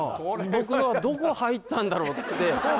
僕のはどこ入ったんだろうって